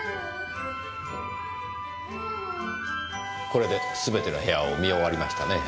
これですべての部屋を見終わりましたねぇ。